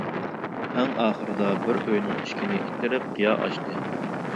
ئەڭ ئاخىرىدا بىر ئۆينىڭ ئىشىكىنى ئىتتىرىپ قىيا ئاچتى.